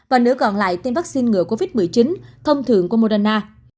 và nửa còn lại tiêm vaccine ngừa covid một mươi chín thông thường của moderna